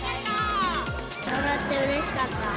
もらってうれしかった。